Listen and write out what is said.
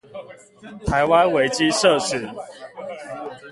台灣維基社群